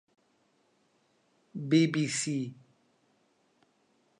بی بی سی